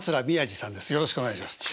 師匠よろしくお願いいたします。